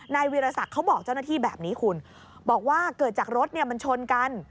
วีรศักดิ์เขาบอกเจ้าหน้าที่แบบนี้คุณบอกว่าเกิดจากรถเนี่ยมันชนกัน